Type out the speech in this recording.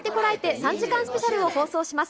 ３時間スペシャルを放送します。